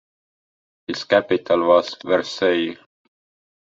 Its capital was Vercelli.